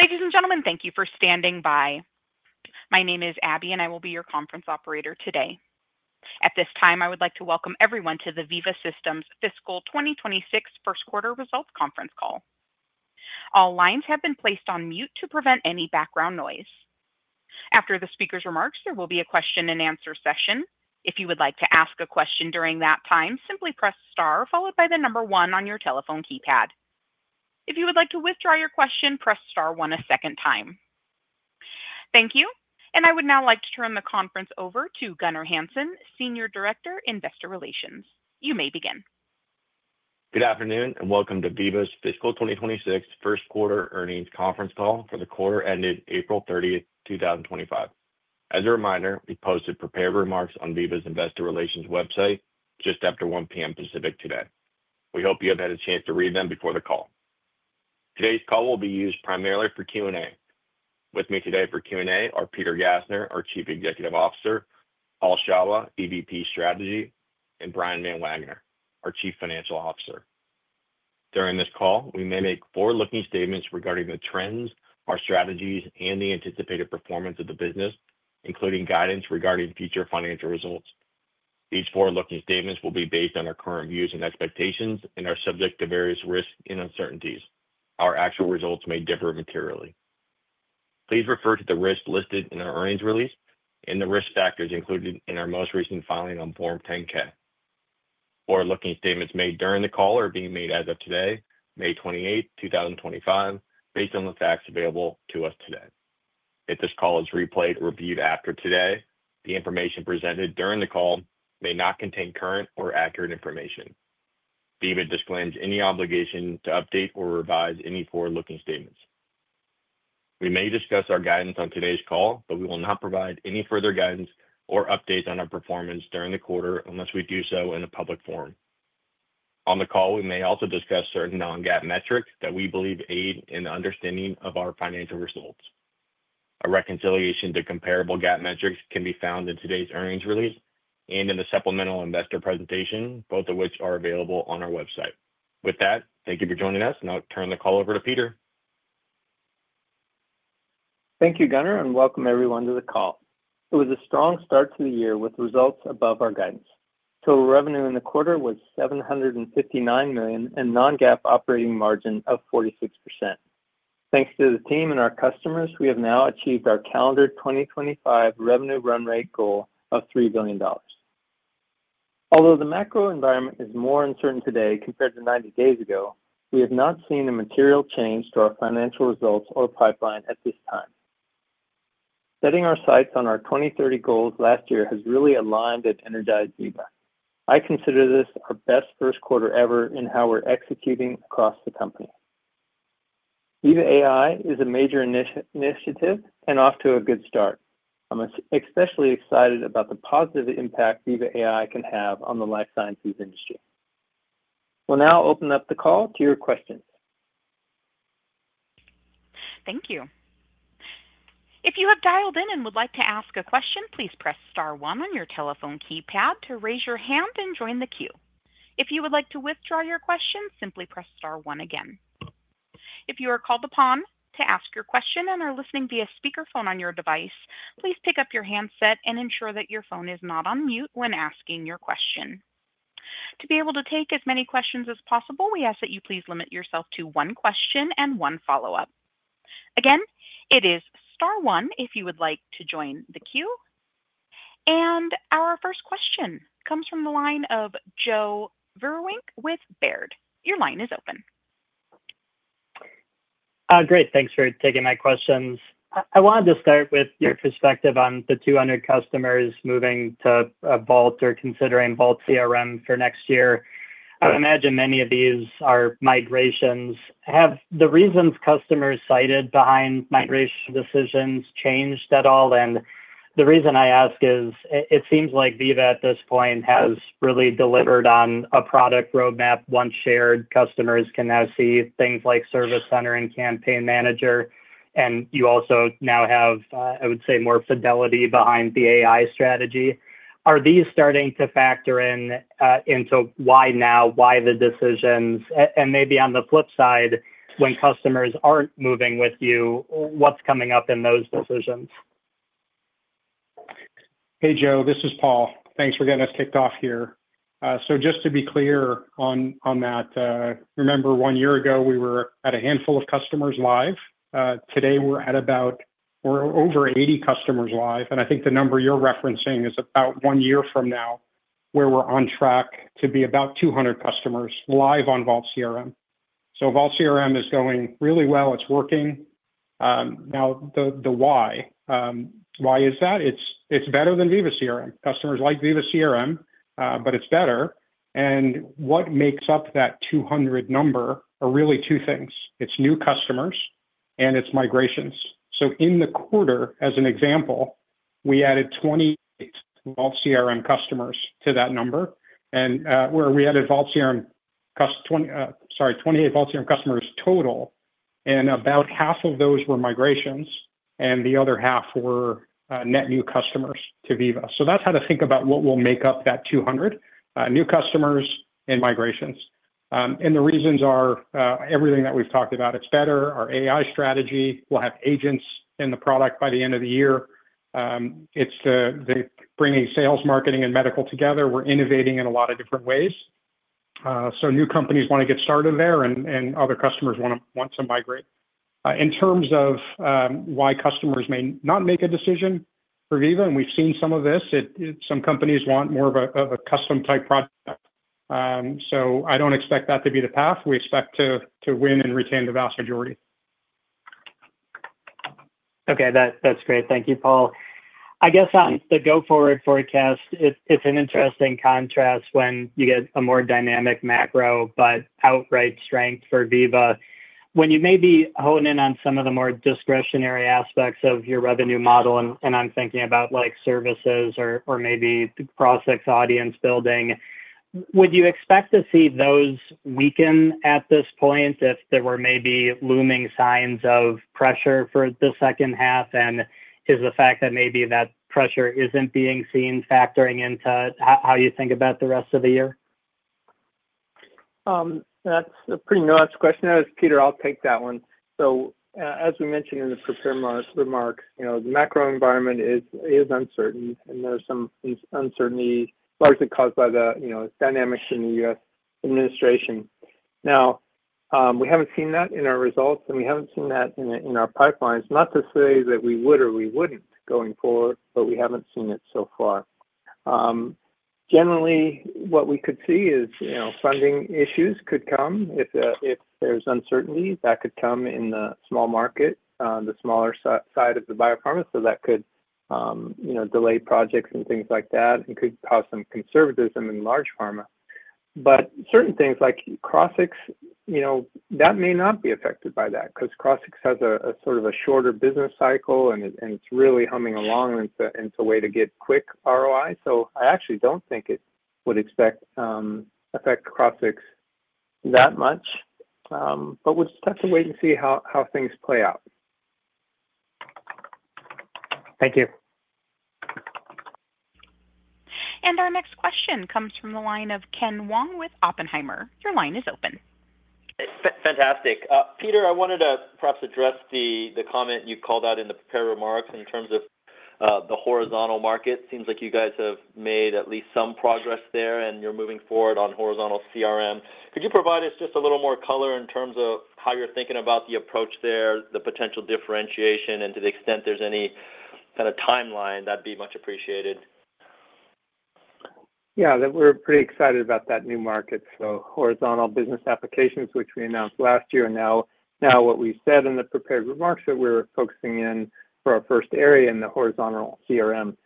Ladies and gentlemen, thank you for standing by. My name is Abby, and I will be your conference operator today. At this time, I would like to welcome everyone to the Veeva Systems Fiscal 2026 First Quarter Results Conference Call. All lines have been placed on mute to prevent any background noise. After the speaker's remarks, there will be a question-and-answer session. If you would like to ask a question during that time, simply press star followed by the number one on your telephone keypad. If you would like to withdraw your question, press star one a second time. Thank you. I would now like to turn the conference over to Gunnar Hansen, Senior Director, Investor Relations. You may begin. Good afternoon, and welcome to Veeva's Fiscal 2026 First Quarter Earnings Conference Call for the quarter ending April 30th, 2025. As a reminder, we posted prepared remarks on Veeva's Investor Relations website just after 1:00 P.M. Pacific today. We hope you have had a chance to read them before the call. Today's call will be used primarily for Q&A. With me today for Q&A are Peter Gassner, our Chief Executive Officer; Paul Shawah, EVP Strategy; and Brian Van Wagener, our Chief Financial Officer. During this call, we may make forward-looking statements regarding the trends, our strategies, and the anticipated performance of the business, including guidance regarding future financial results. These forward-looking statements will be based on our current views and expectations and are subject to various risks and uncertainties. Our actual results may differ materially. Please refer to the risks listed in our earnings release and the risk factors included in our most recent filing on Form 10-K. Forward-looking statements made during the call are being made as of today, May 28th, 2025, based on the facts available to us today. If this call is replayed or reviewed after today, the information presented during the call may not contain current or accurate information. Veeva disclaims any obligation to update or revise any forward-looking statements. We may discuss our guidance on today's call, but we will not provide any further guidance or updates on our performance during the quarter unless we do so in a public forum. On the call, we may also discuss certain non-GAAP metrics that we believe aid in the understanding of our financial results. A reconciliation to comparable GAAP metrics can be found in today's earnings release and in the supplemental investor presentation, both of which are available on our website. With that, thank you for joining us, and I'll turn the call over to Peter. Thank you, Gunnar, and welcome everyone to the call. It was a strong start to the year with results above our guidance. Total revenue in the quarter was $759 million and non-GAAP operating margin of 46%. Thanks to the team and our customers, we have now achieved our calendar 2025 revenue run rate goal of $3 billion. Although the macro environment is more uncertain today compared to 90 days ago, we have not seen a material change to our financial results or pipeline at this time. Setting our sights on our 2030 goals last year has really aligned and energized Veeva. I consider this our best first quarter ever in how we're executing across the company. Veeva AI is a major initiative and off to a good start. I'm especially excited about the positive impact Veeva AI can have on the life sciences industry. We'll now open up the call to your questions. Thank you. If you have dialed in and would like to ask a question, please press star one on your telephone keypad to raise your hand and join the queue. If you would like to withdraw your question, simply press star one again. If you are called upon to ask your question and are listening via speakerphone on your device, please pick up your handset and ensure that your phone is not on mute when asking your question. To be able to take as many questions as possible, we ask that you please limit yourself to one question and one follow-up. Again, it is star one if you would like to join the queue. Our first question comes from the line of Joe Vruwink with Baird. Your line is open. Great. Thanks for taking my questions. I wanted to start with your perspective on the 200 customers moving to Vault or considering Vault CRM for next year. I would imagine many of these are migrations. Have the reasons customers cited behind migration decisions changed at all? The reason I ask is it seems like Veeva at this point has really delivered on a product roadmap once shared. Customers can now see things like Service Center and Campaign Manager. You also now have, I would say, more fidelity behind the AI strategy. Are these starting to factor into why now, why the decisions? Maybe on the flip side, when customers are not moving with you, what is coming up in those decisions? Hey, Joe, this is Paul. Thanks for getting us kicked off here. Just to be clear on that, remember one year ago we were at a handful of customers live. Today we're at about, we're over 80 customers live. I think the number you're referencing is about one year from now where we're on track to be about 200 customers live on Vault CRM. Vault CRM is going really well. It's working. Now, the why. Why is that? It's better than Veeva CRM. Customers like Veeva CRM, but it's better. What makes up that 200 number are really two things. It's new customers and it's migrations. In the quarter, as an example, we added 28 Vault CRM customers to that number. We added 28 Vault CRM customers total, and about half of those were migrations, and the other half were net new customers to Veeva. That is how to think about what will make up that 200: new customers and migrations. The reasons are everything that we have talked about. It is better. Our AI strategy. We will have agents in the product by the end of the year. It is the bringing sales, marketing, and medical together. We are innovating in a lot of different ways. New companies want to get started there, and other customers want to migrate. In terms of why customers may not make a decision for Veeva, and we have seen some of this, some companies want more of a custom-type product. I do not expect that to be the path. We expect to win and retain the vast majority. Okay. That's great. Thank you, Paul. I guess on the go-forward forecast, it's an interesting contrast when you get a more dynamic macro but outright strength for Veeva. When you may be honing in on some of the more discretionary aspects of your revenue model, and I'm thinking about services or maybe the prospects audience building, would you expect to see those weaken at this point if there were maybe looming signs of pressure for the second half? Is the fact that maybe that pressure isn't being seen factoring into how you think about the rest of the year? That's a pretty nuanced question. As Peter, I'll take that one. As we mentioned in the prepared remarks, the macro environment is uncertain, and there's some uncertainty largely caused by the dynamics in the U.S. administration. Now, we haven't seen that in our results, and we haven't seen that in our pipelines. Not to say that we would or we wouldn't going forward, but we haven't seen it so far. Generally, what we could see is funding issues could come. If there's uncertainty, that could come in the small market, the smaller side of the biopharma. That could delay projects and things like that and could cause some conservatism in large pharma. Certain things like Crossix may not be affected by that because Crossix has a sort of shorter business cycle, and it's really humming along. It's a way to get quick ROI. I actually don't think it would affect Crossix that much, but we'll just have to wait and see how things play out. Thank you. Our next question comes from the line of Ken Wong with Oppenheimer. Your line is open. Fantastic. Peter, I wanted to perhaps address the comment you called out in the prepared remarks in terms of the horizontal market. It seems like you guys have made at least some progress there, and you're moving forward on horizontal CRM. Could you provide us just a little more color in terms of how you're thinking about the approach there, the potential differentiation, and to the extent there's any kind of timeline? That'd be much appreciated. Yeah. We're pretty excited about that new market, so horizontal business applications, which we announced last year. Now, what we said in the prepared remarks is that we're focusing in for our first area in the horizontal CRM.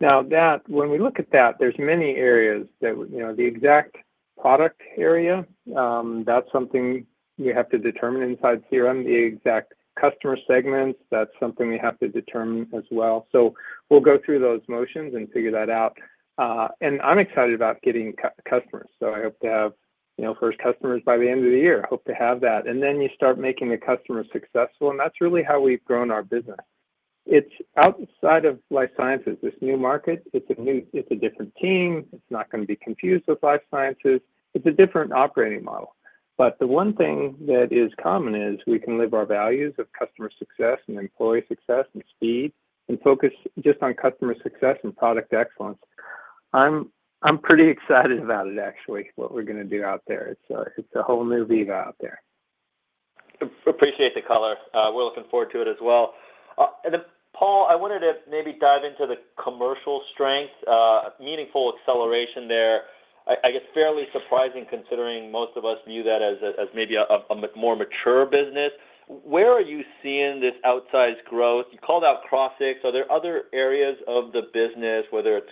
Now, when we look at that, there are many areas. The exact product area, that's something we have to determine inside CRM. The exact customer segments, that's something we have to determine as well. We'll go through those motions and figure that out. I'm excited about getting customers. I hope to have first customers by the end of the year. I hope to have that. You start making the customer successful, and that's really how we've grown our business. It's outside of life sciences, this new market. It's a different team. It's not going to be confused with life sciences. It's a different operating model. The one thing that is common is we can live our values of customer success and employee success and speed and focus just on customer success and product excellence. I'm pretty excited about it, actually, what we're going to do out there. It's a whole new Veeva out there. Appreciate the color. We're looking forward to it as well. Paul, I wanted to maybe dive into the commercial strength, meaningful acceleration there. I guess fairly surprising considering most of us view that as maybe a more mature business. Where are you seeing this outsized growth? You called out Crossix. Are there other areas of the business, whether it's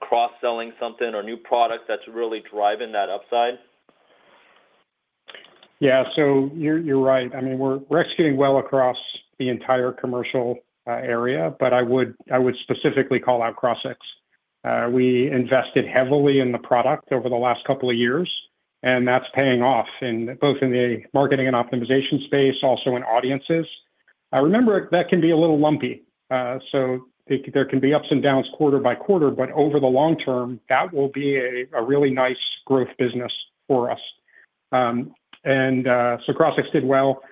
cross-selling something or new products, that's really driving that upside? Yeah. So you're right. I mean, we're executing well across the entire commercial area, but I would specifically call out Crossix. We invested heavily in the product over the last couple of years, and that's paying off both in the marketing and optimization space, also in audiences. I remember that can be a little lumpy. There can be ups and downs quarter by quarter, but over the long term, that will be a really nice growth business for us. Crossix did well.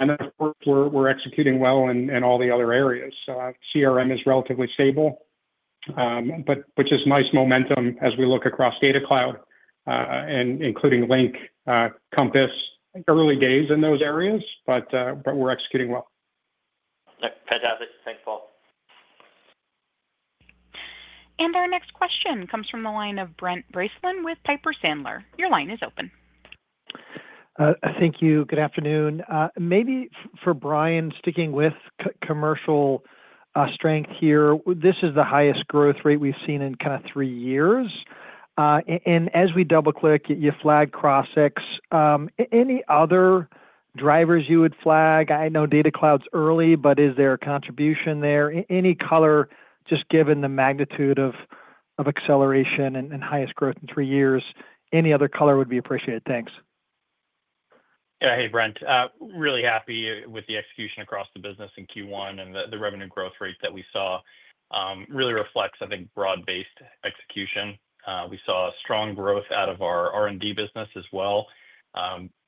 Of course, we're executing well in all the other areas. CRM is relatively stable, which is nice momentum as we look across Data Cloud, including Link, Compass, early days in those areas, but we're executing well. Fantastic. Thanks, Paul. Our next question comes from the line of Brent Bracelin with Piper Sandler. Your line is open. Thank you. Good afternoon. Maybe for Brian, sticking with commercial strength here, this is the highest growth rate we've seen in kind of three years. As we double-click, you flag Crossix. Any other drivers you would flag? I know Data Cloud's early, but is there a contribution there? Any color, just given the magnitude of acceleration and highest growth in three years? Any other color would be appreciated. Thanks. Yeah. Hey, Brent. Really happy with the execution across the business in Q1, and the revenue growth rate that we saw really reflects, I think, broad-based execution. We saw strong growth out of our R&D business as well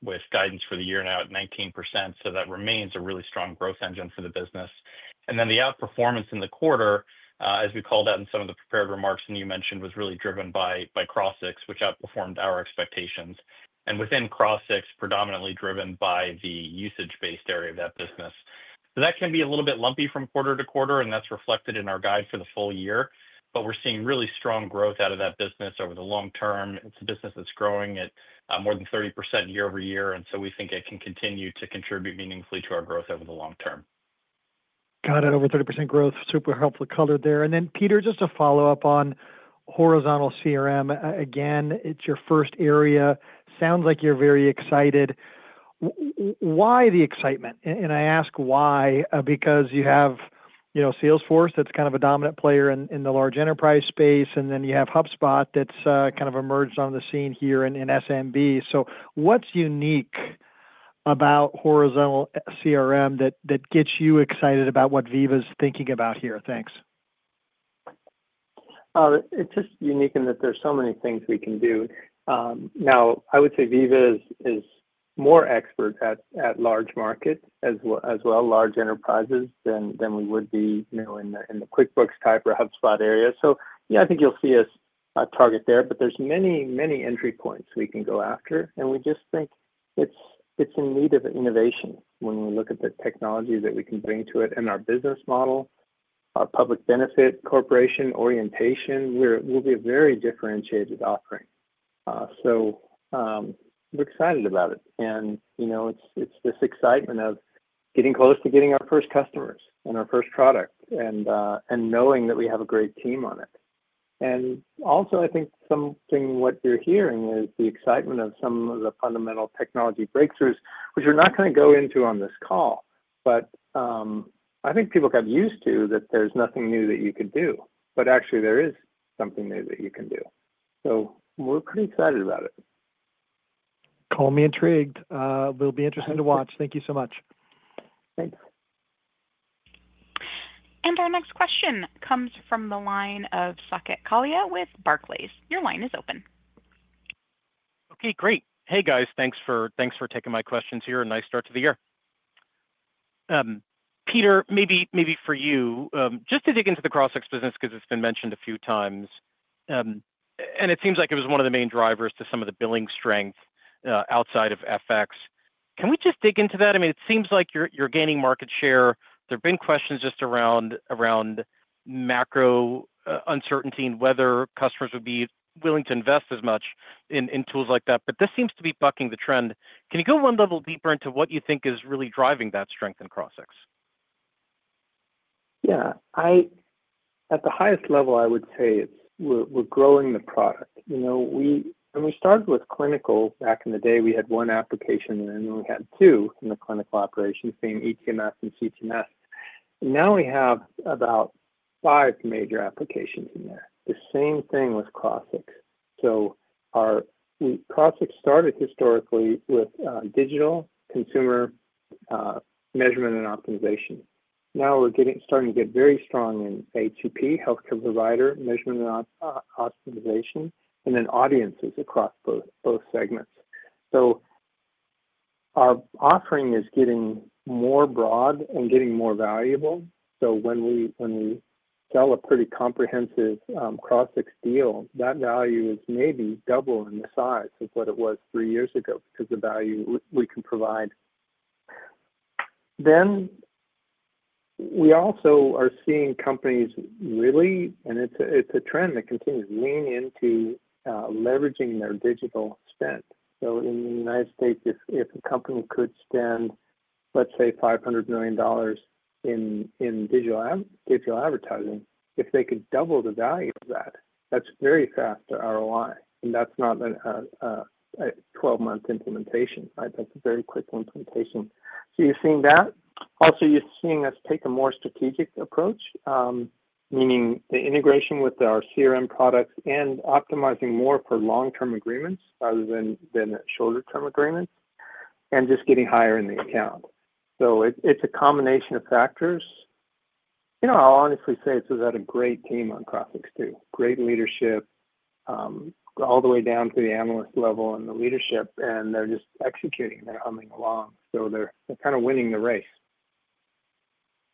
with guidance for the year now at 19%. That remains a really strong growth engine for the business. The outperformance in the quarter, as we called out in some of the prepared remarks and you mentioned, was really driven by Crossix, which outperformed our expectations. Within Crossix, predominantly driven by the usage-based area of that business. That can be a little bit lumpy from quarter to quarter, and that's reflected in our guide for the full year. We're seeing really strong growth out of that business over the long term. It's a business that's growing at more than 30% year-over -year. We think it can continue to contribute meaningfully to our growth over the long term. Got it. Over 30% growth. Super helpful color there. Peter, just to follow up on horizontal CRM, again, it's your first area. Sounds like you're very excited. Why the excitement? I ask why because you have Salesforce that's kind of a dominant player in the large enterprise space, and then you have HubSpot that's kind of emerged on the scene here in SMB. What's unique about horizontal CRM that gets you excited about what Veeva is thinking about here? Thanks. It's just unique in that there's so many things we can do. Now, I would say Veeva is more expert at large markets as well, large enterprises than we would be in the QuickBooks type or HubSpot area. Yeah, I think you'll see us target there, but there's many, many entry points we can go after. We just think it's in need of innovation when we look at the technology that we can bring to it and our business model, our public benefit corporation orientation. We'll be a very differentiated offering. We're excited about it. It's this excitement of getting close to getting our first customers and our first product and knowing that we have a great team on it. I think something what you're hearing is the excitement of some of the fundamental technology breakthroughs, which we're not going to go into on this call. I think people got used to that there's nothing new that you could do. Actually, there is something new that you can do. We're pretty excited about it. Call me intrigued. We'll be interested to watch. Thank you so much. Thanks. Our next question comes from the line of Saket Kalia with Barclays. Your line is open. Okay. Great. Hey, guys. Thanks for taking my questions here and nice start to the year. Peter, maybe for you, just to dig into the Crossix business because it's been mentioned a few times, and it seems like it was one of the main drivers to some of the billing strength outside of FX. Can we just dig into that? I mean, it seems like you're gaining market share. There have been questions just around macro uncertainty and whether customers would be willing to invest as much in tools like that. But this seems to be bucking the trend. Can you go one level deeper into what you think is really driving that strength in Crossix? Yeah. At the highest level, I would say we're growing the product. When we started with clinical back in the day, we had one application, and then we had two in the clinical operations, being eTMF and CTMS. Now we have about five major applications in there. The same thing with Crossix. Crossix started historically with digital consumer measurement and optimization. Now we're starting to get very strong in A2P, healthcare provider measurement and optimization, and then audiences across both segments. Our offering is getting more broad and getting more valuable. When we sell a pretty comprehensive Crossix deal, that value is maybe double in the size of what it was three years ago because of the value we can provide. We also are seeing companies really, and it's a trend that continues, lean into leveraging their digital spend. In the United States, if a company could spend, let's say, $500 million in digital advertising, if they could double the value of that, that's very fast ROI. That's not a 12-month implementation. That's a very quick implementation. You're seeing that. Also, you're seeing us take a more strategic approach, meaning the integration with our CRM products and optimizing more for long-term agreements rather than shorter-term agreements, and just getting higher in the account. It's a combination of factors. I'll honestly say it's about a great team on Crossix too. Great leadership all the way down to the analyst level and the leadership. They're just executing. They're humming along. They're kind of winning the race.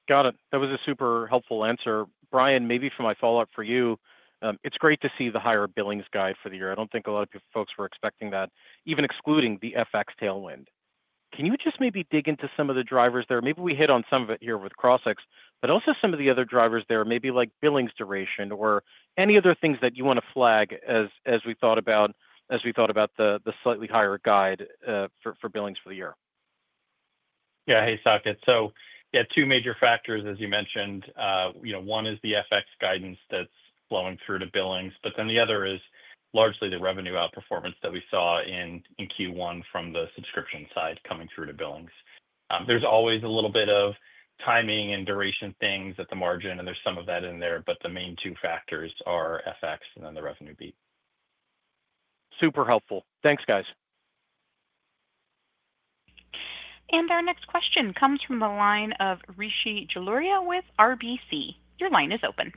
Got it. That was a super helpful answer. Brian, maybe for my follow-up for you, it's great to see the higher billings guide for the year. I don't think a lot of folks were expecting that, even excluding the FX tailwind. Can you just maybe dig into some of the drivers there? Maybe we hit on some of it here with Crossix, but also some of the other drivers there, maybe like billings duration or any other things that you want to flag as we thought about the slightly higher guide for billings for the year. Yeah. Hey, Saket. So yeah, two major factors, as you mentioned. One is the FX guidance that's flowing through to billings, but then the other is largely the revenue outperformance that we saw in Q1 from the subscription side coming through to billings. There's always a little bit of timing and duration things at the margin, and there's some of that in there. The main two factors are FX and then the revenue beat. Super helpful. Thanks, guys. Our next question comes from the line of Rishi Jaluria with RBC. Your line is open.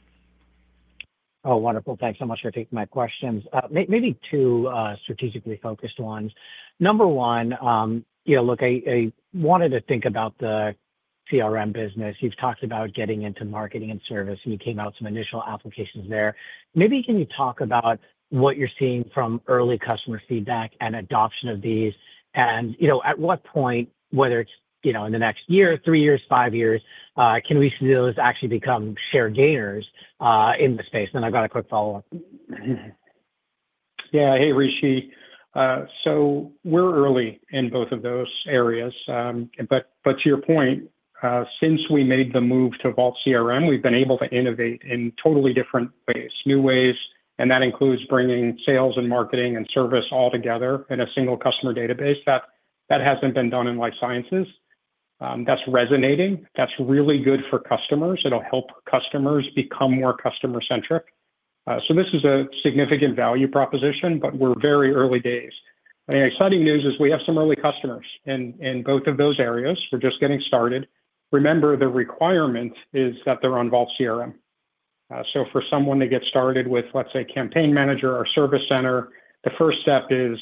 Oh, wonderful. Thanks so much for taking my questions. Maybe two strategically focused ones. Number one, look, I wanted to think about the CRM business. You've talked about getting into marketing and service, and you came out with some initial applications there. Maybe can you talk about what you're seeing from early customer feedback and adoption of these? At what point, whether it's in the next year, three years, five years, can we see those actually become share gainers in the space? I have a quick follow-up. Yeah. Hey, Rishi. We're early in both of those areas. To your point, since we made the move to Vault CRM, we've been able to innovate in totally different ways, new ways. That includes bringing sales and marketing and service all together in a single customer database. That hasn't been done in life sciences. That's resonating. That's really good for customers. It'll help customers become more customer-centric. This is a significant value proposition, but we're very early days. The exciting news is we have some early customers in both of those areas. We're just getting started. Remember, the requirement is that they're on Vault CRM. For someone to get started with, let's say, Campaign Manager or Service Center, the first step is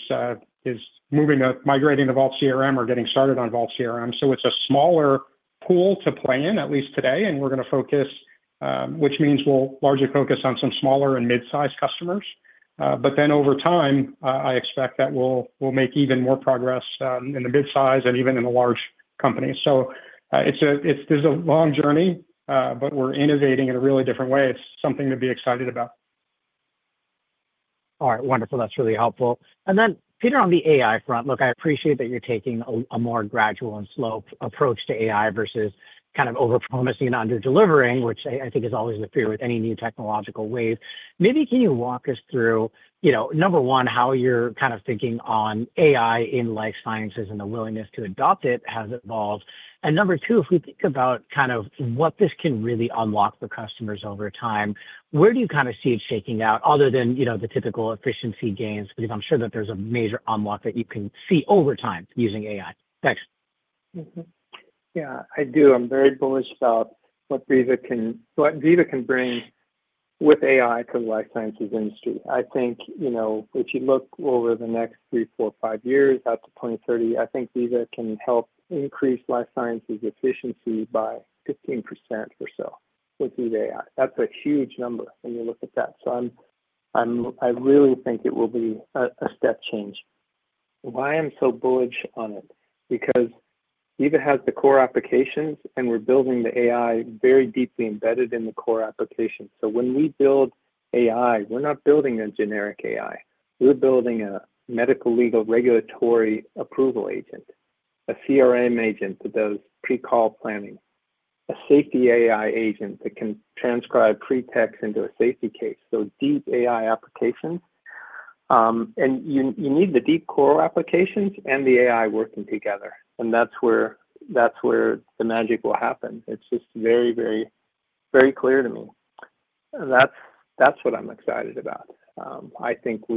moving up, migrating to Vault CRM or getting started on Vault CRM. It's a smaller pool to play in, at least today, and we're going to focus, which means we'll largely focus on some smaller and mid-sized customers. But then over time, I expect that we'll make even more progress in the mid-size and even in the large company. There's a long journey, but we're innovating in a really different way. It's something to be excited about. All right. Wonderful. That's really helpful. And then, Peter, on the AI front, look, I appreciate that you're taking a more gradual and slow approach to AI versus kind of over-promising and under-delivering, which I think is always the fear with any new technological wave. Maybe can you walk us through, number one, how you're kind of thinking on AI in life sciences and the willingness to adopt it has evolved? And number two, if we think about kind of what this can really unlock for customers over time, where do you kind of see it shaking out other than the typical efficiency gains? Because I'm sure that there's a major unlock that you can see over time using AI. Thanks. Yeah. I do. I'm very bullish about what Veeva can bring with AI to the life sciences industry. I think if you look over the next three, four, five years out to 2030, I think Veeva can help increase life sciences efficiency by 15% or so with Veeva AI. That's a huge number when you look at that. I really think it will be a step change. Why I'm so bullish on it? Because Veeva has the core applications, and we're building the AI very deeply embedded in the core applications. When we build AI, we're not building a generic AI. We're building a medical, legal, regulatory approval agent, a CRM agent that does pre-call planning, a safety AI agent that can transcribe pretext into a safety case. Deep AI applications. You need the deep core applications and the AI working together. That's where the magic will happen. It's just very, very clear to me. That's what I'm excited about. I think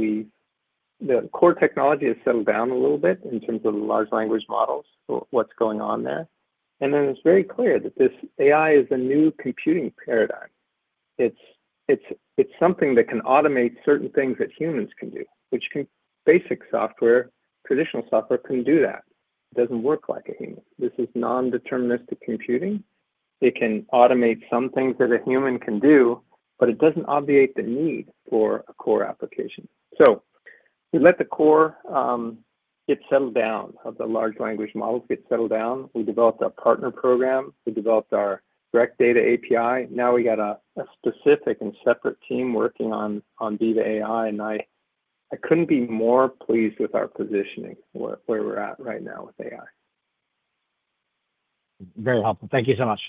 the core technology has settled down a little bit in terms of the large language models, what's going on there. It's very clear that this AI is a new computing paradigm. It's something that can automate certain things that humans can do, which basic software, traditional software, can do that. It doesn't work like a human. This is non-deterministic computing. It can automate some things that a human can do, but it doesn't obviate the need for a core application. We let the core get settled down, of the large language models get settled down. We developed our partner program. We developed our direct data API. Now we got a specific and separate team working on Veeva AI. I couldn't be more pleased with our positioning where we're at right now with AI. Very helpful. Thank you so much.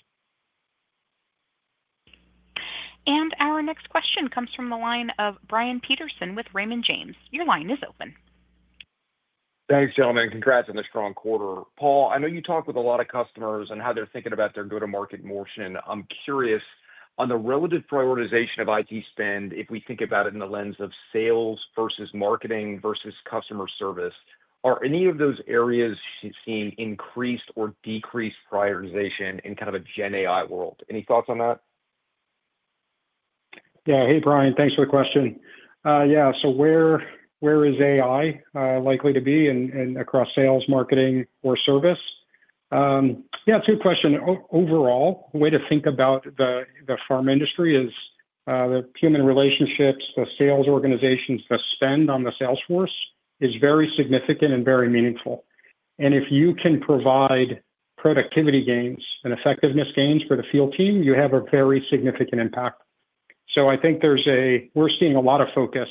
Our next question comes from the line of Brian Peterson with Raymond James. Your line is open. Thanks, gentlemen. Congrats on the strong quarter. Paul, I know you talk with a lot of customers and how they're thinking about their go-to-market motion. I'm curious, on the relative prioritization of IT spend, if we think about it in the lens of sales versus marketing versus customer service, are any of those areas seeing increased or decreased prioritization in kind of a Gen AI world? Any thoughts on that? Yeah. Hey, Brian. Thanks for the question. Yeah. So where is AI likely to be across sales, marketing, or service? Yeah. It's a good question. Overall, the way to think about the pharma industry is the human relationships, the sales organizations, the spend on the sales force is very significant and very meaningful. If you can provide productivity gains and effectiveness gains for the field team, you have a very significant impact. I think we're seeing a lot of focus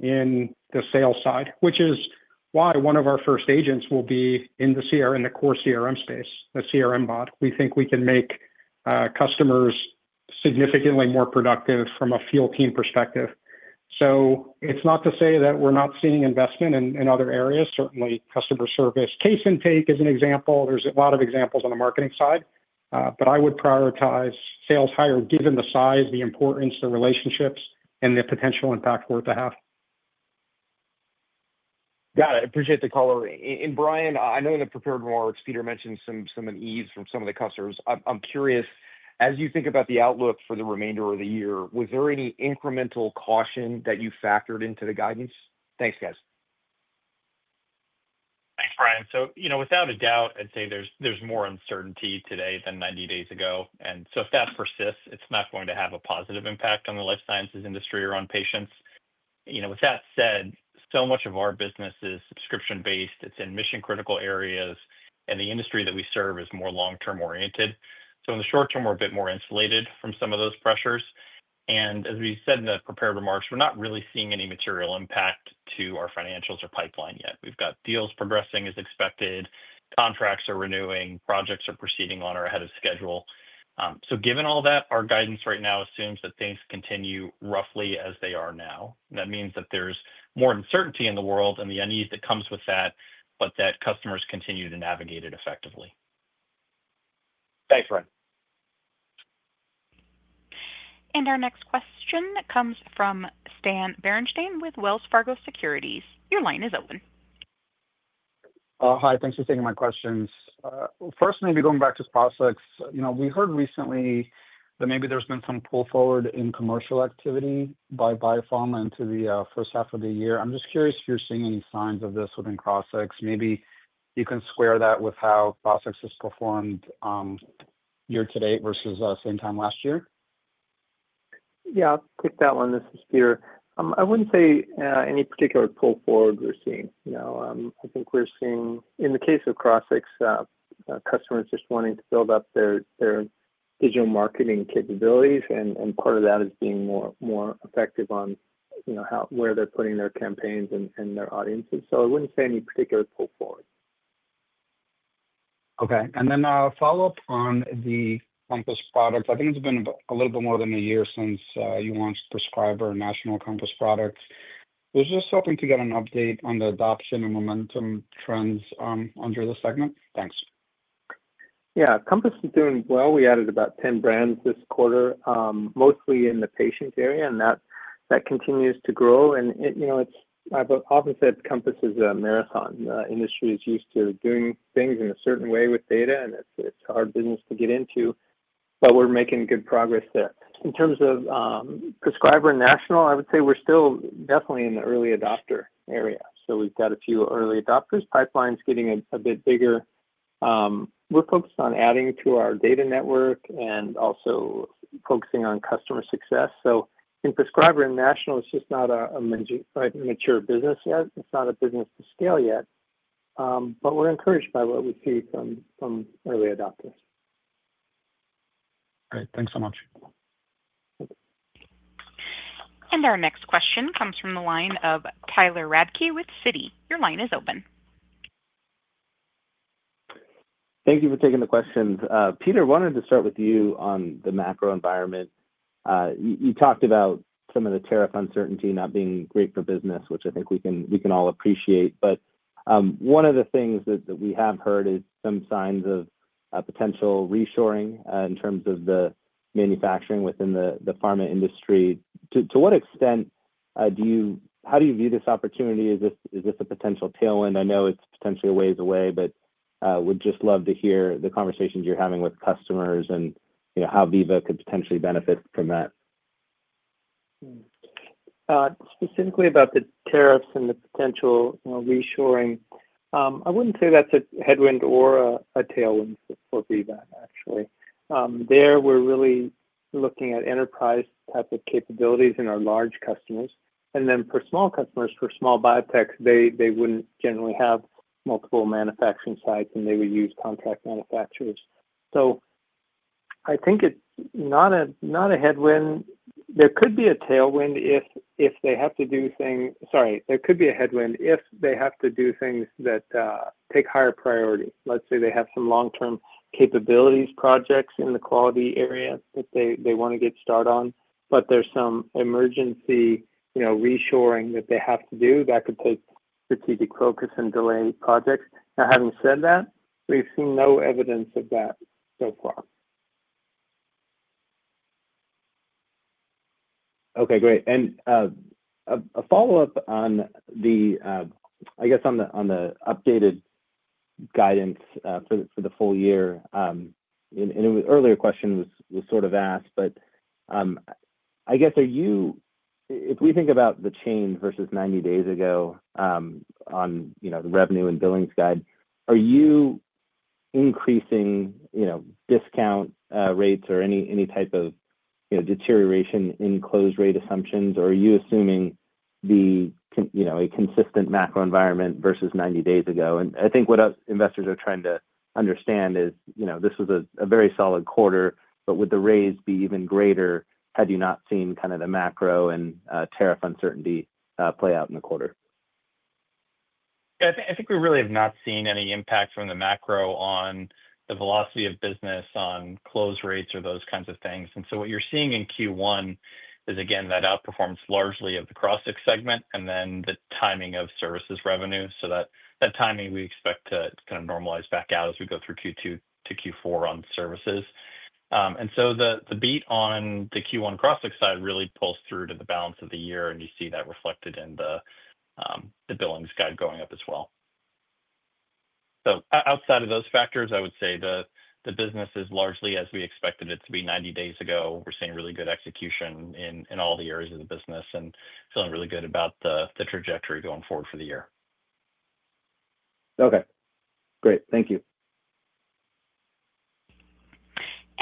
in the sales side, which is why one of our first agents will be in the core CRM space, the CRM bot. We think we can make customers significantly more productive from a field team perspective. It's not to say that we're not seeing investment in other areas. Certainly, customer service, case intake is an example. There are a lot of examples on the marketing side. I would prioritize sales higher given the size, the importance, the relationships, and the potential impact we're to have. Got it. Appreciate the call. Brian, I know in the prepared remarks, Peter mentioned some of the ease from some of the customers. I'm curious, as you think about the outlook for the remainder of the year, was there any incremental caution that you factored into the guidance? Thanks, guys. Thanks, Brian. Without a doubt, I'd say there's more uncertainty today than 90 days ago. If that persists, it's not going to have a positive impact on the life sciences industry or on patients. With that said, so much of our business is subscription-based. It's in mission-critical areas. The industry that we serve is more long-term oriented. In the short term, we're a bit more insulated from some of those pressures. As we said in the prepared remarks, we're not really seeing any material impact to our financials or pipeline yet. We've got deals progressing as expected. Contracts are renewing. Projects are proceeding on or ahead of schedule. Given all that, our guidance right now assumes that things continue roughly as they are now. That means that there's more uncertainty in the world and the unease that comes with that, but that customers continue to navigate it effectively. Thanks, Brian. Our next question comes from Stan Berenshteyn with Wells Fargo Securities. Your line is open. Hi. Thanks for taking my questions. First, maybe going back to Crossix, we heard recently that maybe there's been some pull forward in commercial activity by BioPharma into the first half of the year. I'm just curious if you're seeing any signs of this within Crossix. Maybe you can square that with how Crossix has performed year to date versus same time last year. Yeah. I'll take that one. This is Peter. I wouldn't say any particular pull forward we're seeing. I think we're seeing, in the case of Crossix, customers just wanting to build up their digital marketing capabilities. Part of that is being more effective on where they're putting their campaigns and their audiences. I wouldn't say any particular pull forward. Okay. Then a follow-up on the Compass product. I think it's been a little bit more than a year since you launched Prescriber, a national Compass product. We're just hoping to get an update on the adoption and momentum trends under the segment. Thanks. Yeah. Compass is doing well. We added about 10 brands this quarter, mostly in the patient area, and that continues to grow. I've often said Compass is a marathon. The industry is used to doing things in a certain way with data, and it's a hard business to get into. We're making good progress there. In terms of Prescriber national, I would say we're still definitely in the early adopter area. We've got a few early adopters. Pipeline's getting a bit bigger. We're focused on adding to our data network and also focusing on customer success. In Prescriber national, it's just not a mature business yet. It's not a business to scale yet. We're encouraged by what we see from early adopters. All right. Thanks so much. Our next question comes from the line of Tyler Radke with Citi. Your line is open. Thank you for taking the questions. Peter, wanted to start with you on the macro environment. You talked about some of the tariff uncertainty not being great for business, which I think we can all appreciate. One of the things that we have heard is some signs of potential reshoring in terms of the manufacturing within the pharma industry. To what extent do you—how do you view this opportunity? Is this a potential tailwind? I know it's potentially a ways away, but we'd just love to hear the conversations you're having with customers and how Veeva could potentially benefit from that. Specifically about the tariffs and the potential reshoring, I would not say that is a headwind or a tailwind for Veeva, actually. There, we are really looking at enterprise type of capabilities in our large customers. And then for small customers, for small biotech, they would not generally have multiple manufacturing sites, and they would use contract manufacturers. I think it is not a headwind. There could be a tailwind if they have to do things—sorry, there could be a headwind if they have to do things that take higher priority. Let's say they have some long-term capabilities projects in the quality area that they want to get started on, but there is some emergency reshoring that they have to do that could take strategic focus and delay projects. Now, having said that, we have seen no evidence of that so far. Okay. Great. A follow-up on the—I guess on the updated guidance for the full year. An earlier question was sort of asked, but I guess if we think about the change versus 90 days ago on the revenue and billings guide, are you increasing discount rates or any type of deterioration in close rate assumptions, or are you assuming a consistent macro environment versus 90 days ago? I think what investors are trying to understand is this was a very solid quarter, but would the raise be even greater had you not seen kind of the macro and tariff uncertainty play out in the quarter? Yeah. I think we really have not seen any impact from the macro on the velocity of business, on close rates, or those kinds of things. What you're seeing in Q1 is, again, that outperformance largely of the Crossix segment and then the timing of services revenue. That timing, we expect to kind of normalize back out as we go through Q2 to Q4 on services. The beat on the Q1 Crossix side really pulls through to the balance of the year, and you see that reflected in the billings guide going up as well. Outside of those factors, I would say the business is largely as we expected it to be 90 days ago. We're seeing really good execution in all the areas of the business and feeling really good about the trajectory going forward for the year. Okay. Great. Thank you.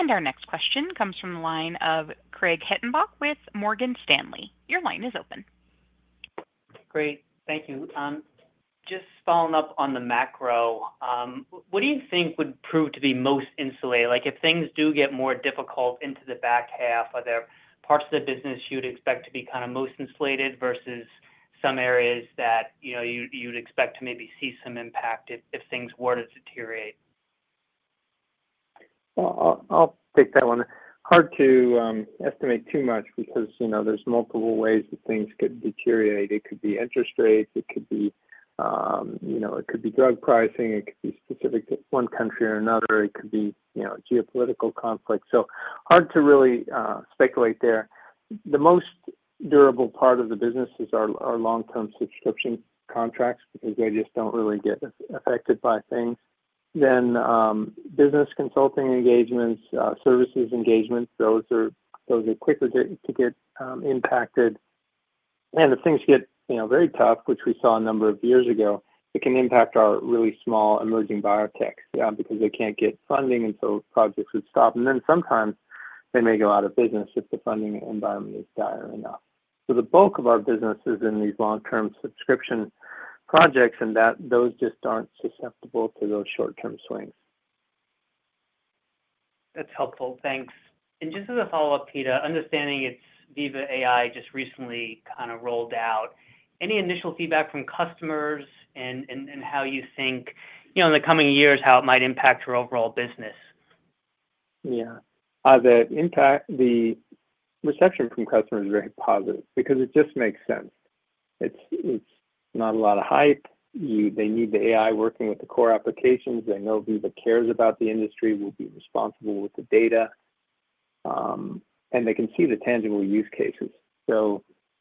Our next question comes from the line of Craig Hettenbach with Morgan Stanley. Your line is open. Great. Thank you. Just following up on the macro, what do you think would prove to be most insulated? If things do get more difficult into the back half, are there parts of the business you'd expect to be kind of most insulated versus some areas that you'd expect to maybe see some impact if things were to deteriorate? I'll take that one. Hard to estimate too much because there are multiple ways that things could deteriorate. It could be interest rates. It could be drug pricing. It could be specific to one country or another. It could be geopolitical conflict. Hard to really speculate there. The most durable part of the business is our long-term subscription contracts because they just do not really get affected by things. Business consulting engagements, services engagements, those are quicker to get impacted. If things get very tough, which we saw a number of years ago, it can impact our really small emerging biotechs because they cannot get funding, and projects would stop. Sometimes they make a lot of business if the funding environment is dire enough. The bulk of our business is in these long-term subscription projects, and those just aren't susceptible to those short-term swings. That's helpful. Thanks. Just as a follow-up, Peter, understanding it's Veeva AI just recently kind of rolled out, any initial feedback from customers and how you think in the coming years how it might impact your overall business? Yeah. The reception from customers is very positive because it just makes sense. It's not a lot of hype. They need the AI working with the core applications. They know Veeva cares about the industry, will be responsible with the data. And they can see the tangible use cases.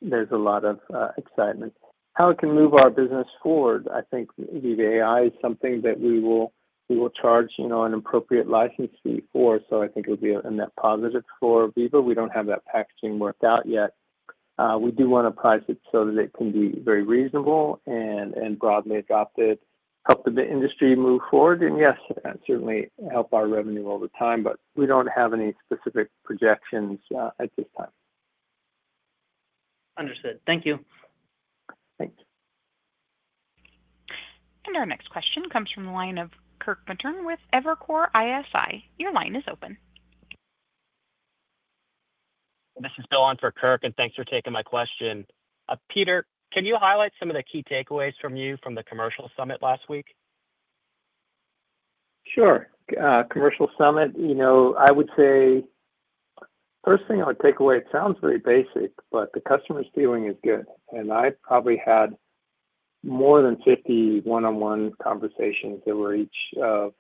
There is a lot of excitement. How it can move our business forward, I think Veeva AI is something that we will charge an appropriate license fee for. I think it'll be in that positive for Veeva. We don't have that packaging worked out yet. We do want to price it so that it can be very reasonable and broadly adopted, help the industry move forward. Yes, it certainly helps our revenue all the time, but we don't have any specific projections at this time. Understood. Thank you. Thanks. Our next question comes from the line of Kirk Materne with Evercore ISI. Your line is open. This is Bill on for Kirk, and thanks for taking my question. Peter, can you highlight some of the key takeaways from you from the commercial summit last week? Sure. Commercial summit, I would say first thing I would take away, it sounds very basic, but the customer's feeling is good. I probably had more than 50 one-on-one conversations that were each of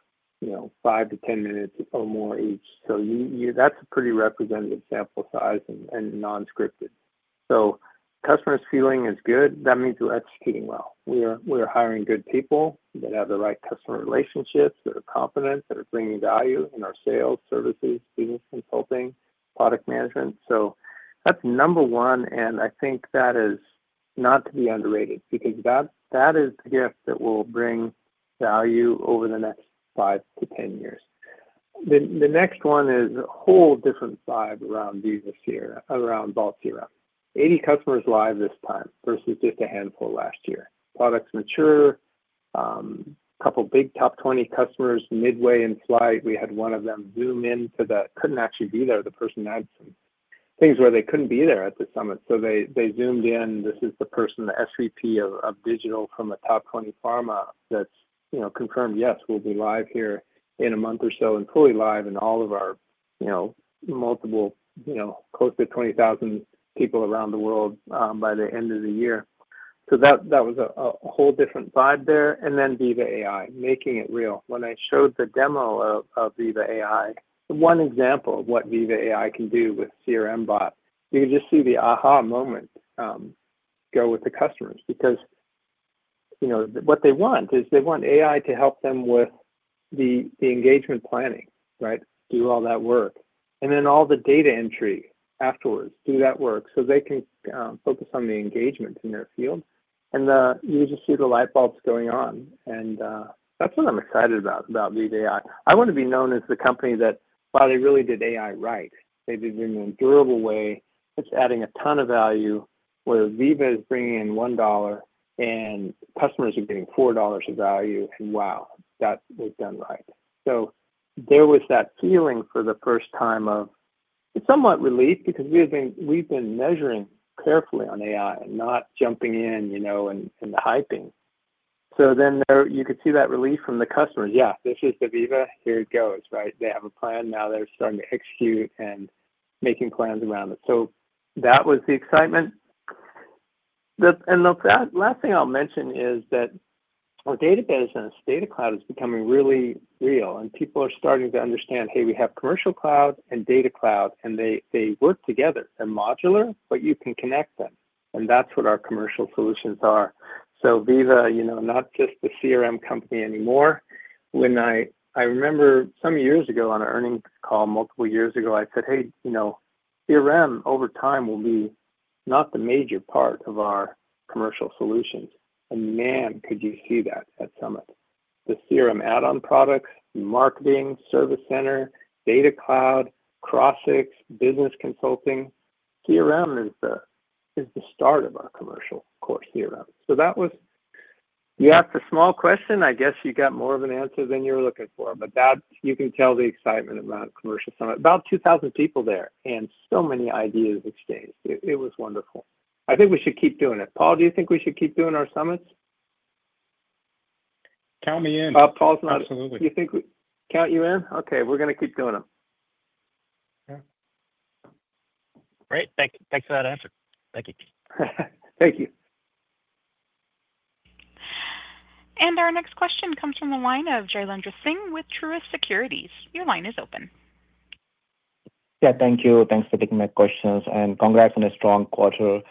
5 to 10 minutes or more each. That is a pretty representative sample size and non-scripted. Customer's feeling is good. That means we're executing well. We are hiring good people that have the right customer relationships, that are competent, that are bringing value in our sales, services, business consulting, product management. That is number one. I think that is not to be underrated because that is the gift that will bring value over the next 5 to 10 years. The next one is a whole different vibe around Veeva's era, around Vault's era. 80 customers live this time versus just a handful last year. Products mature. A couple of big top 20 customers midway in flight. We had one of them Zoom into the—couldn't actually be there. The person had some things where they couldn't be there at the summit. They Zoomed in. This is the person, the SVP of digital from a top 20 pharma that's confirmed, "Yes, we'll be live here in a month or so and fully live in all of our multiple close to 20,000 people around the world by the end of the year." That was a whole different vibe there. Veeva AI, making it real. When I showed the demo of Veeva AI, one example of what Veeva AI can do with CRM bot, you could just see the aha moment go with the customers because what they want is they want AI to help them with the engagement planning, right? Do all that work. All the data entry afterwards, do that work so they can focus on the engagement in their field. You just see the light bulbs going on. That is what I am excited about, about Veeva AI. I want to be known as the company that, wow, they really did AI right. They did it in a durable way. It is adding a ton of value where Veeva is bringing in $1 and customers are getting $4 of value. Wow, that was done right. There was that feeling for the first time of somewhat relief because we have been measuring carefully on AI and not jumping in and the hyping. You could see that relief from the customers. Yeah, this is the Veeva. Here it goes, right? They have a plan. Now they are starting to execute and making plans around it. That was the excitement. The last thing I'll mention is that our data business, Data Cloud, is becoming really real. People are starting to understand, "Hey, we have Commercial Cloud and Data Cloud, and they work together. They're modular, but you can connect them." That is what our commercial solutions are. Veeva is not just the CRM company anymore. I remember some years ago on an earnings call, multiple years ago, I said, "Hey, CRM over time will be not the major part of our commercial solutions." You could see that at Summit. The CRM add-on products, marketing, Service Center, Data Cloud, Crossix, business consulting. CRM is the start of our commercial core CRM. That was. You asked a small question. I guess you got more of an answer than you were looking for. You can tell the excitement about Commercial Summit. About 2,000 people there and so many ideas exchanged. It was wonderful. I think we should keep doing it. Paul, do you think we should keep doing our summits? Count me in. Paul's not. Absolutely. You think we count you in? Okay. We're going to keep doing them. Yeah. Great. Thanks for that answer. Thank you. Thank you. Our next question comes from the line of Jailendra Singh with Truist Securities. Your line is open. Yeah. Thank you. Thanks for taking my questions. And congrats on a strong quarter.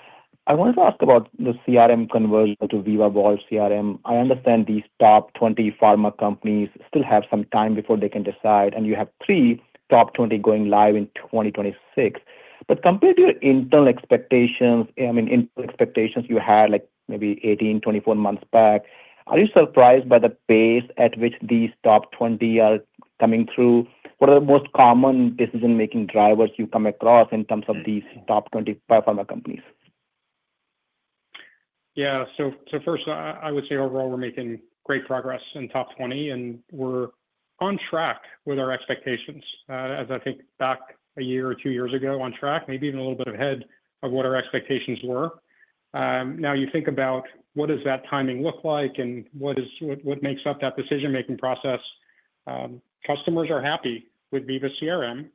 I wanted to ask about the CRM conversion to Veeva Vault CRM. I understand these top 20 pharma companies still have some time before they can decide, and you have three top 20 going live in 2026. But compared to your internal expectations, I mean, expectations you had maybe 18, 24 months back, are you surprised by the pace at which these top 20 are coming through? What are the most common decision-making drivers you come across in terms of these top 20 pharma companies? Yeah. First, I would say overall, we're making great progress in top 20, and we're on track with our expectations as I think back a year or two years ago on track, maybe even a little bit ahead of what our expectations were. Now, you think about what does that timing look like and what makes up that decision-making process. Customers are happy with Veeva CRM.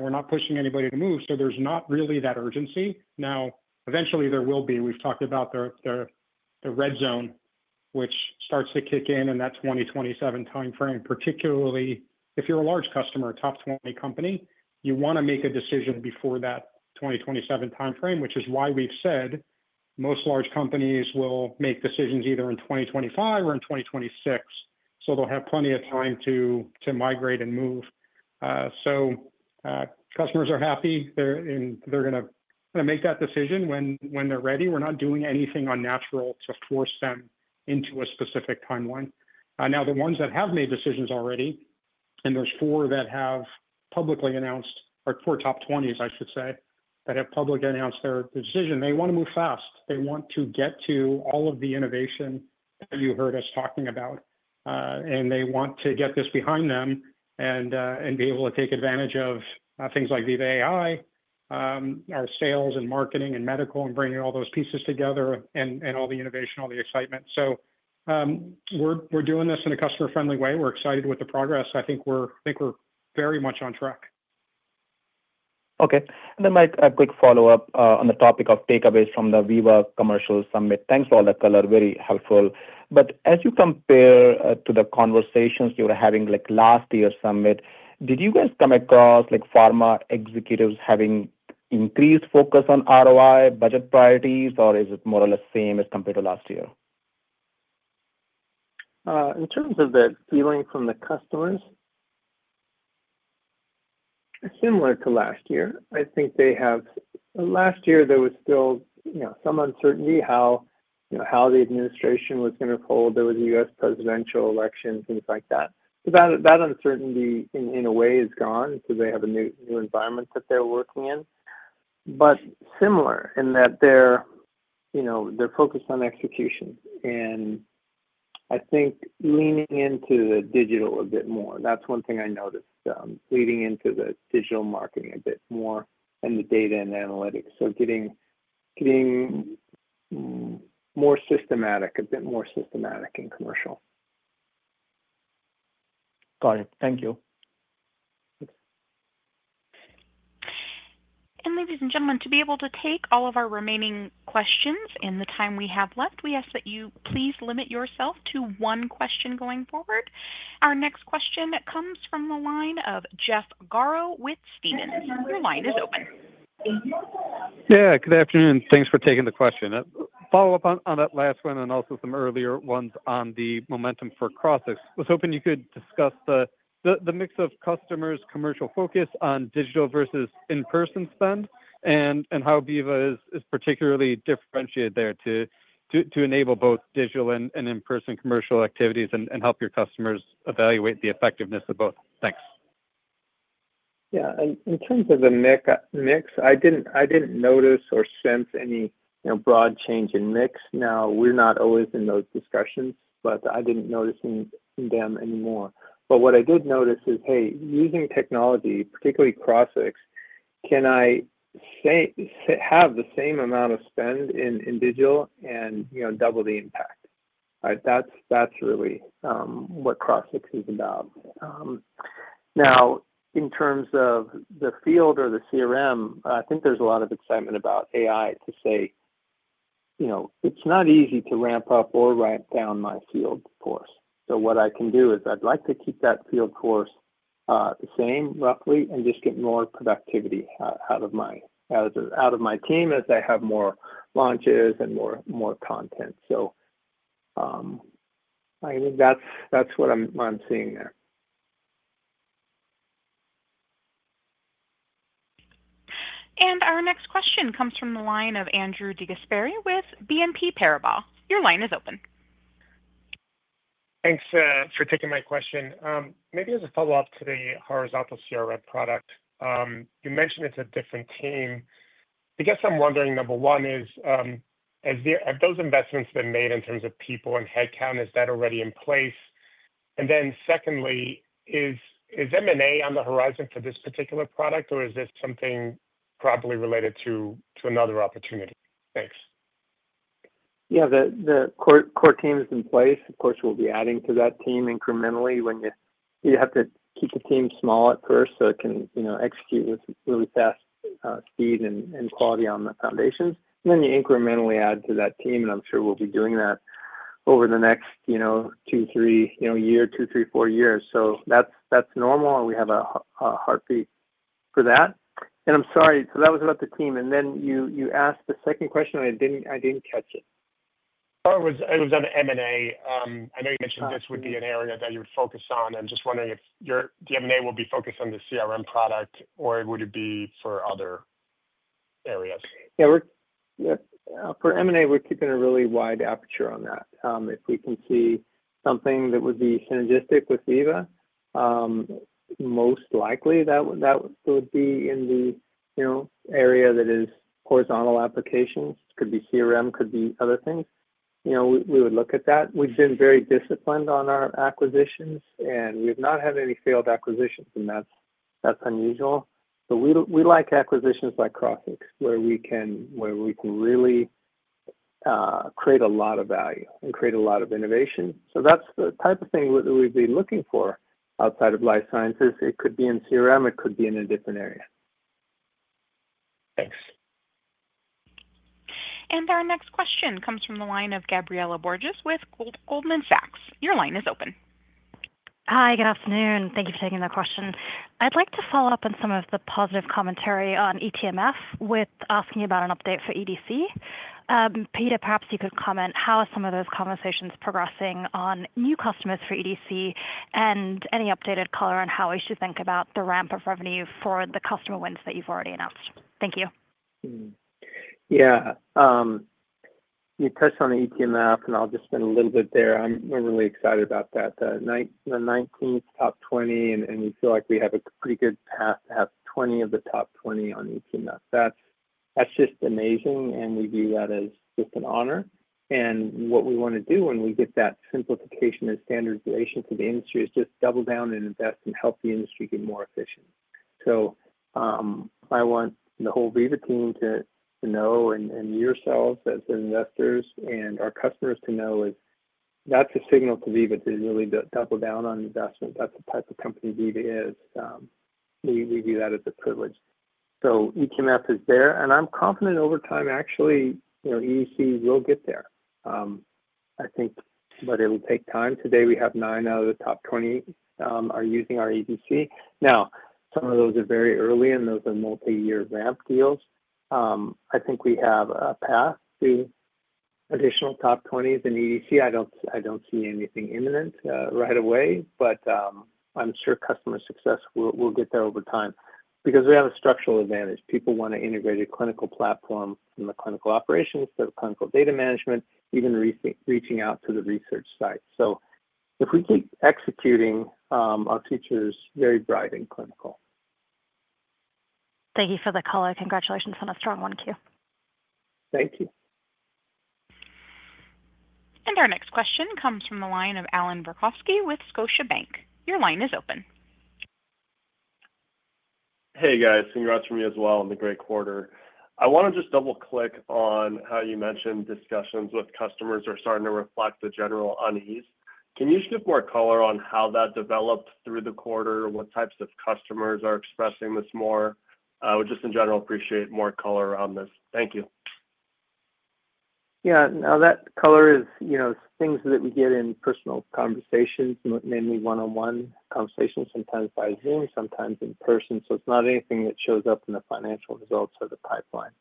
We're not pushing anybody to move, so there's not really that urgency. Now, eventually, there will be. We've talked about the red zone, which starts to kick in in that 2027 timeframe, particularly if you're a large customer, a top 20 company. You want to make a decision before that 2027 timeframe, which is why we've said most large companies will make decisions either in 2025 or in 2026. They'll have plenty of time to migrate and move. Customers are happy. They're going to make that decision when they're ready. We're not doing anything unnatural to force them into a specific timeline. Now, the ones that have made decisions already, and there's four that have publicly announced, or four top 20s, I should say, that have publicly announced their decision, they want to move fast. They want to get to all of the innovation that you heard us talking about, and they want to get this behind them and be able to take advantage of things like Veeva AI, our sales and marketing and medical, and bringing all those pieces together and all the innovation, all the excitement. We're doing this in a customer-friendly way. We're excited with the progress. I think we're very much on track. Okay. And then a quick follow-up on the topic of takeaways from the Veeva Commercial Summit. Thanks for all the color. Very helpful. As you compare to the conversations you were having last year's summit, did you guys come across pharma executives having increased focus on ROI, budget priorities, or is it more or less same as compared to last year? In terms of the feeling from the customers, similar to last year. I think they have last year, there was still some uncertainty how the administration was going to fold. There was a U.S. presidential election, things like that. That uncertainty in a way is gone because they have a new environment that they're working in. Similar in that they're focused on execution. I think leaning into the digital a bit more. That's one thing I noticed, leaning into the digital marketing a bit more and the data and analytics. Getting more systematic, a bit more systematic in commercial. Got it. Thank you. Ladies and gentlemen, to be able to take all of our remaining questions in the time we have left, we ask that you please limit yourself to one question going forward. Our next question comes from the line of Jeff Garro with Stephens. Your line is open. Yeah. Good afternoon. Thanks for taking the question. Follow-up on that last one and also some earlier ones on the momentum for Crossix. I was hoping you could discuss the mix of customers' commercial focus on digital versus in-person spend and how Veeva is particularly differentiated there to enable both digital and in-person commercial activities and help your customers evaluate the effectiveness of both. Thanks. Yeah. In terms of the mix, I didn't notice or sense any broad change in mix. Now, we're not always in those discussions, but I didn't notice them anymore. What I did notice is, hey, using technology, particularly Crossix, can I have the same amount of spend in digital and double the impact? That's really what Crossix is about. Now, in terms of the field or the CRM, I think there's a lot of excitement about AI to say it's not easy to ramp up or ramp down my field force. What I can do is I'd like to keep that field force the same, roughly, and just get more productivity out of my team as I have more launches and more content. I think that's what I'm seeing there. Our next question comes from the line of Andrew DeGasperi with BNP Paribas. Your line is open. Thanks for taking my question. Maybe as a follow-up to the horizontal CRM product, you mentioned it's a different team. I guess I'm wondering, number one is, have those investments been made in terms of people and headcount? Is that already in place? Secondly, is M&A on the horizon for this particular product, or is this something probably related to another opportunity? Thanks. Yeah. The core team is in place. Of course, we'll be adding to that team incrementally. You have to keep the team small at first so it can execute with really fast speed and quality on the foundations. Then you incrementally add to that team, and I'm sure we'll be doing that over the next two, three years, two, three, four years. That is normal. We have a heartbeat for that. I'm sorry. That was about the team. You asked the second question. I didn't catch it. It was on M&A. I know you mentioned this would be an area that you would focus on. I'm just wondering if the M&A will be focused on the CRM product, or would it be for other areas? Yeah. For M&A, we're keeping a really wide aperture on that. If we can see something that would be synergistic with Veeva, most likely that would be in the area that is horizontal applications. It could be CRM, could be other things. We would look at that. We've been very disciplined on our acquisitions, and we have not had any failed acquisitions, and that's unusual. We like acquisitions like Crossix where we can really create a lot of value and create a lot of innovation. That is the type of thing that we'd be looking for outside of life sciences. It could be in CRM. It could be in a different area. Thanks. Our next question comes from the line of Gabriela Borges with Goldman Sachs. Your line is open. Hi. Good afternoon. Thank you for taking the question. I'd like to follow up on some of the positive commentary on eTMF with asking about an update for EDC. Peter, perhaps you could comment, how are some of those conversations progressing on new customers for EDC and any updated color on how we should think about the ramp of revenue for the customer wins that you've already announced? Thank you. Yeah. You touched on the eTMF, and I'll just spend a little bit there. I'm really excited about that. The 19th top 20, and we feel like we have a pretty good path to have 20 of the top 20 on eTMF. That's just amazing, and we view that as just an honor. What we want to do when we get that simplification and standardization for the industry is just double down and invest and help the industry be more efficient. I want the whole Veeva team to know, and yourselves as investors and our customers to know is that's a signal to Veeva to really double down on investment. That's the type of company Veeva is. We view that as a privilege. eTMF is there, and I'm confident over time, actually, EDC will get there. I think. It will take time. Today, we have nine out of the top 20 are using our EDC. Now, some of those are very early, and those are multi-year ramp deals. I think we have a path to additional top 20s in EDC. I do not see anything imminent right away, but I am sure customer success will get there over time because we have a structural advantage. People want to integrate a clinical platform from the clinical operations to the clinical data management, even reaching out to the research site. If we keep executing, our future is very bright in clinical. Thank you for the color. Congratulations on a strong Q1. Thank you. Our next question comes from the line of Allan Verkhovski with Scotiabank. Your line is open. Hey, guys. Fingers out for me as well in the great quarter. I want to just double-click on how you mentioned discussions with customers are starting to reflect the general unease. Can you share more color on how that developed through the quarter? What types of customers are expressing this more? I would just, in general, appreciate more color on this. Thank you. Yeah. Now, that color is things that we get in personal conversations, mainly one-on-one conversations, sometimes by Zoom, sometimes in person. It is not anything that shows up in the financial results or the pipeline.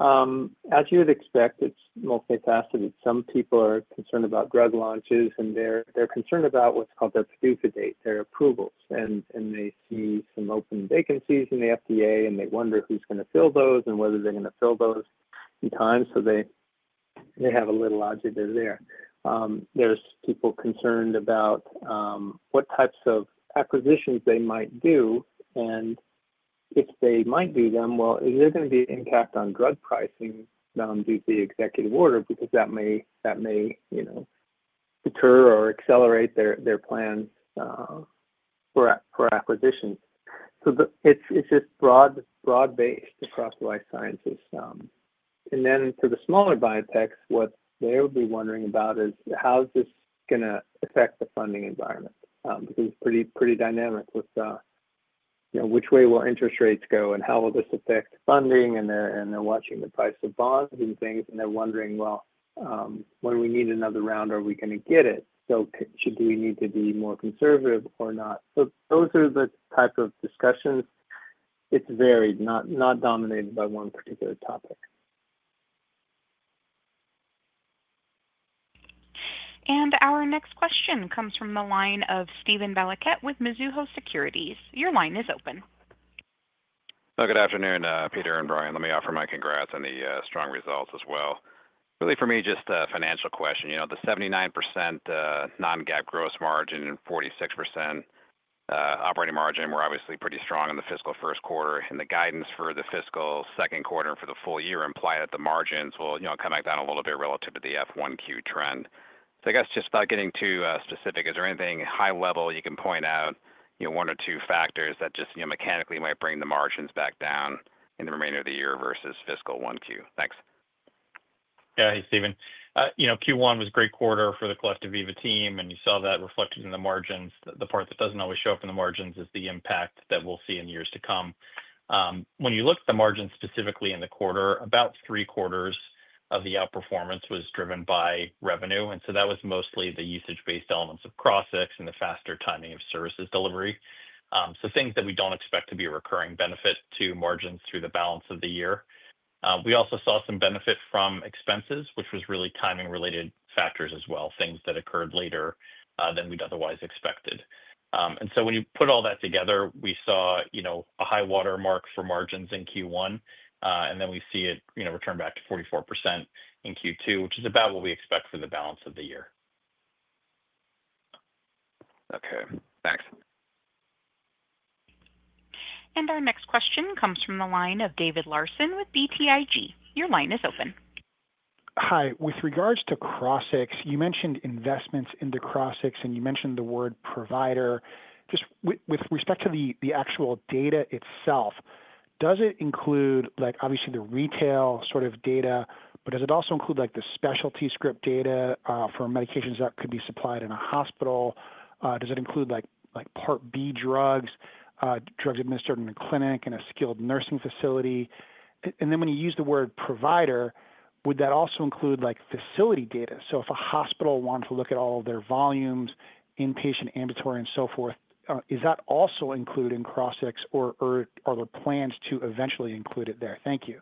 As you would expect, it is multifaceted. Some people are concerned about drug launches, and they are concerned about what is called their PDUFA date, their approvals. They see some open vacancies in the FDA, and they wonder who is going to fill those and whether they are going to fill those in time. They have a little logic there. There are people concerned about what types of acquisitions they might do. If they might do them, is there going to be an impact on drug pricing due to the executive order because that may deter or accelerate their plans for acquisitions? It is just broad-based across life sciences. For the smaller biotechs, what they would be wondering about is how's this going to affect the funding environment because it's pretty dynamic with which way will interest rates go and how will this affect funding. They're watching the price of bonds and things, and they're wondering, when we need another round, are we going to get it? Do we need to be more conservative or not? Those are the type of discussions. It's varied, not dominated by one particular topic. Our next question comes from the line of Steven Valiquette with Mizuho Securities. Your line is open. Good afternoon, Peter and Brian. Let me offer my congrats on the strong results as well. Really, for me, just a financial question. The 79% non-GAAP gross margin and 46% operating margin were obviously pretty strong in the fiscal first quarter. The guidance for the fiscal second quarter and for the full year implied that the margins will come back down a little bit relative to the F1Q trend. I guess just without getting too specific, is there anything high-level you can point out, one or two factors that just mechanically might bring the margins back down in the remainder of the year versus fiscal 1Q? Thanks. Yeah. Hey, Steven. Q1 was a great quarter for the collective Veeva team, and you saw that reflected in the margins. The part that does not always show up in the margins is the impact that we will see in years to come. When you look at the margins specifically in the quarter, about three-quarters of the outperformance was driven by revenue. That was mostly the usage-based elements of Crossix and the faster timing of services delivery. Things that we do not expect to be a recurring benefit to margins through the balance of the year. We also saw some benefit from expenses, which was really timing-related factors as well, things that occurred later than we had otherwise expected. When you put all that together, we saw a high watermark for margins in Q1, and then we see it return back to 44% in Q2, which is about what we expect for the balance of the year. Okay. Thanks. Our next question comes from the line of David Larsen with BTIG. Your line is open. Hi. With regards to Crossix, you mentioned investments into Crossix, and you mentioned the word provider. Just with respect to the actual data itself, does it include obviously the retail sort of data, but does it also include the specialty script data for medications that could be supplied in a hospital? Does it include part B drugs, drugs administered in a clinic, in a skilled nursing facility? When you use the word provider, would that also include facility data? If a hospital wanted to look at all of their volumes, inpatient, ambulatory, and so forth, is that also included in Crossix, or are there plans to eventually include it there? Thank you.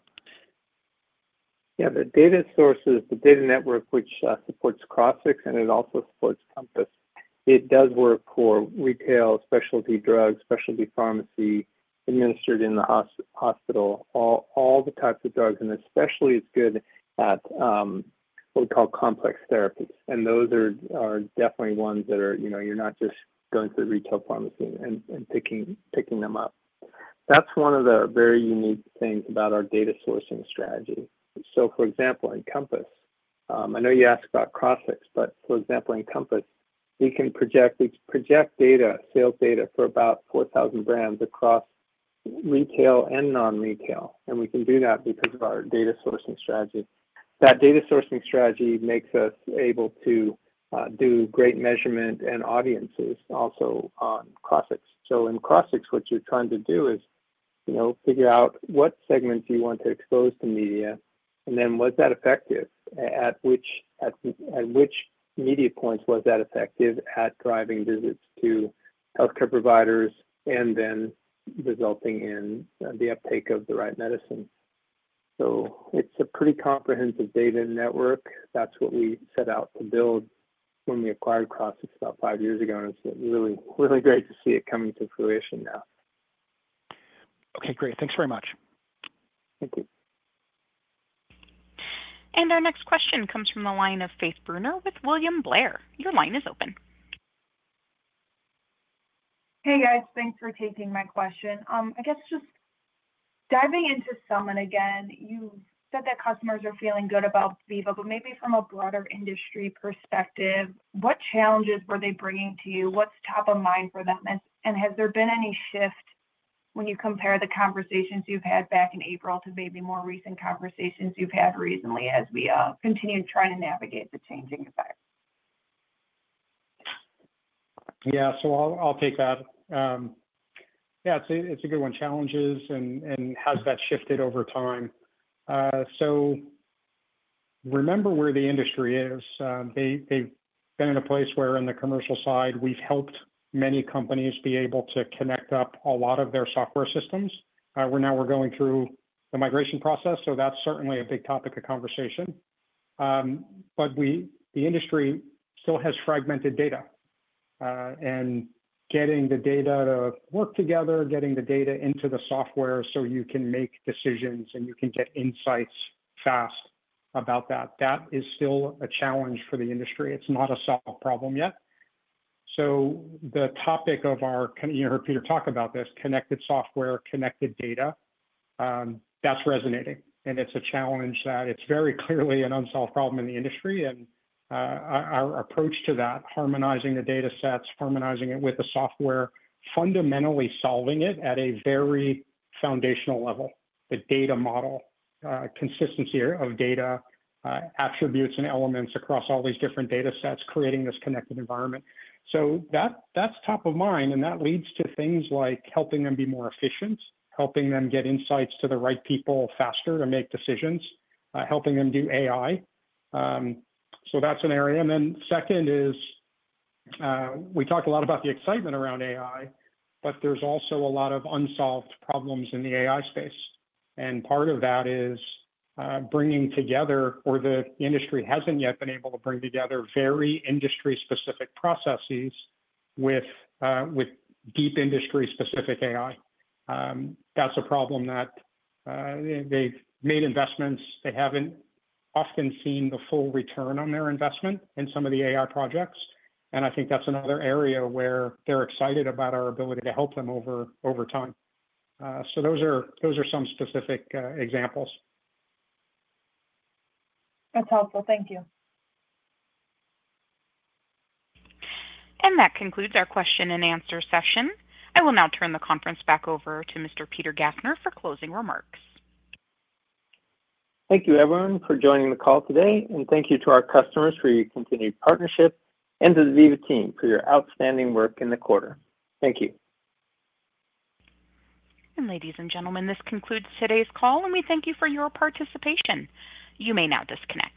Yeah. The data sources, the data network, which supports Crossix, and it also supports Compass, it does work for retail, specialty drugs, specialty pharmacy administered in the hospital, all the types of drugs. Especially, it's good at what we call complex therapies. Those are definitely ones that you're not just going to the retail pharmacy and picking them up. That's one of the very unique things about our data sourcing strategy. For example, in Compass, I know you asked about Crossix, but for example, in Compass, we can project data, sales data for about 4,000 brands across retail and non-retail. We can do that because of our data sourcing strategy. That data sourcing strategy makes us able to do great measurement and audiences also on Crossix. In Crossix, what you're trying to do is figure out what segments you want to expose to media, and then was that effective? At which media points was that effective at driving visits to healthcare providers and then resulting in the uptake of the right medicine? It is a pretty comprehensive data network. That is what we set out to build when we acquired Crossix about five years ago. It is really great to see it coming to fruition now. Okay. Great. Thanks very much. Thank you. Our next question comes from the line of Faith Brunner with William Blair. Your line is open. Hey, guys. Thanks for taking my question. I guess just diving into some of it again, you said that customers are feeling good about Veeva, but maybe from a broader industry perspective, what challenges were they bringing to you? What's top of mind for them? Has there been any shift when you compare the conversations you've had back in April to maybe more recent conversations you've had recently as we continue to try to navigate the changing effects? Yeah. I'll take that. Yeah. It's a good one. Challenges and how's that shifted over time? Remember where the industry is. They've been in a place where on the commercial side, we've helped many companies be able to connect up a lot of their software systems. Now we're going through the migration process, so that's certainly a big topic of conversation. The industry still has fragmented data. Getting the data to work together, getting the data into the software so you can make decisions and you can get insights fast about that, that is still a challenge for the industry. It's not a solved problem yet. The topic of our—you heard Peter talk about this—connected software, connected data, that's resonating. It's a challenge that is very clearly an unsolved problem in the industry. Our approach to that, harmonizing the data sets, harmonizing it with the software, fundamentally solving it at a very foundational level, the data model, consistency of data, attributes and elements across all these different data sets, creating this connected environment. That is top of mind, and that leads to things like helping them be more efficient, helping them get insights to the right people faster to make decisions, helping them do AI. That is an area. Second, we talk a lot about the excitement around AI, but there are also a lot of unsolved problems in the AI space. Part of that is bringing together, or the industry has not yet been able to bring together very industry-specific processes with deep industry-specific AI. That is a problem that they have made investments in. They have not often seen the full return on their investment in some of the AI projects. I think that's another area where they're excited about our ability to help them over time. Those are some specific examples. That's helpful. Thank you. That concludes our question and answer session. I will now turn the conference back over to Mr. Peter Gassner for closing remarks. Thank you, everyone, for joining the call today. Thank you to our customers for your continued partnership and to the Veeva team for your outstanding work in the quarter. Thank you. Ladies and gentlemen, this concludes today's call, and we thank you for your participation. You may now disconnect.